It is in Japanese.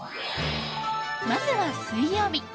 まずは水曜日。